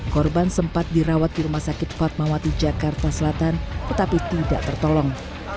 korban sempat dirawat di rumah sakit fatmawati jakarta selatan tetapi tidak tertolong